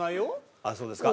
あっそうですか。